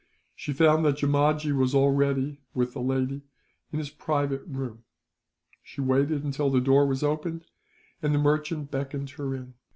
She found that Jeemajee was already, with a lady, in his private room. She waited until the door was opened, and the merchant beckoned her in.